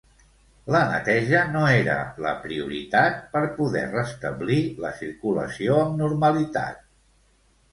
La neteja no era la prioritat per poder restablir la circulació amb normalitat.